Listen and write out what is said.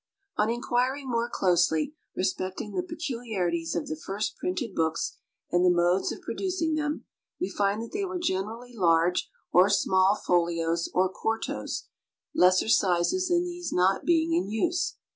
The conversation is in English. On inquiring more closely respecting the peculiarities of the first printed books and the modes of producing them, we find that they were generally large or small folios or quartos; lesser sizes than these not being in use.